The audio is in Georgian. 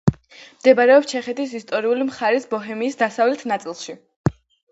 მდებარეობს ჩეხეთის ისტორიული მხარის ბოჰემიის დასავლეთ ნაწილში.